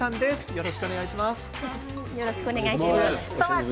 よろしくお願いします。